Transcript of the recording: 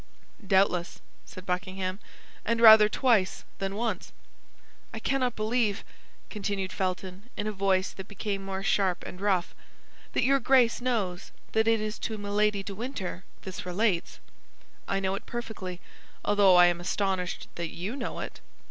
"Doubtless," said Buckingham, "and rather twice than once." "I cannot believe," continued Felton, in a voice that became more sharp and rough, "that your Grace knows that it is to Milady de Winter this relates." "I know it perfectly, although I am astonished that you know it."